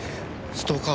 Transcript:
ストーカー？